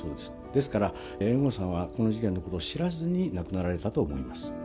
ですから、猿翁さんはこの事件のことを知らずに亡くなられたと思います。